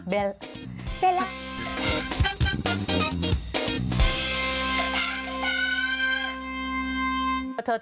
เป็นแล้ว